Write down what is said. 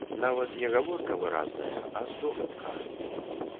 Нават не гаворка выразная, а здогадка.